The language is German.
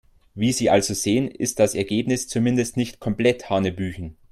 Wie Sie also sehen, ist das Ergebnis zumindest nicht komplett hanebüchen.